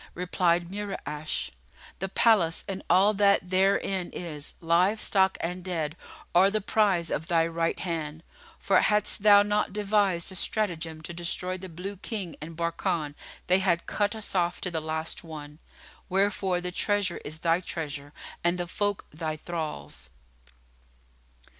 Replied Mura'ash, "The palace and all that therein is, live stock and dead, are the prize of thy right hand; for, hadst thou not devised a stratagem to destroy the Blue King and Barkan, they had cut us off to the last one: wherefore the treasure is thy treasure and the folk thy thralls."